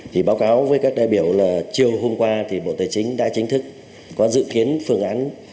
thì báo cáo với các đại biểu là chiều hôm qua thì bộ tài chính đã chính thức có dự kiến phương án